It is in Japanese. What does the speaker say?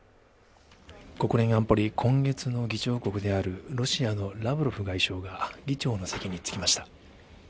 国連安保理、今月の議長国であるロシアのラブロフ外相が議長の席につきました。